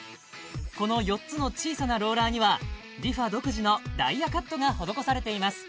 この４つの小さなローラーにはＲｅＦａ独自のダイヤカットが施されています